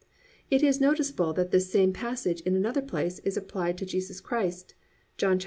It is noticeable that this same passage in another place is applied to Jesus Christ (John 12:39 41).